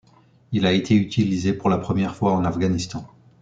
Il a été utilisé pour la première fois en Afghanistan.